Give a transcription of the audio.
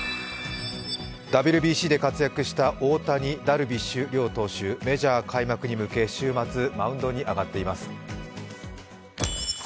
ＷＢＣで活躍した大谷、ダルビッシュ両投手、メジャー開幕に向け週末、マウンドに上がっています